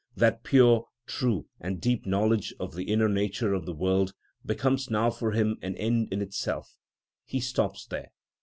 That pure, true, and deep knowledge of the inner nature of the world becomes now for him an end in itself: he stops there.